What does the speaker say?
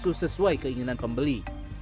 susu sesuai keinginan pembeli